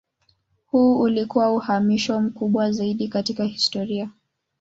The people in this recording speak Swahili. Huu ulikuwa uhamisho mkubwa zaidi katika historia.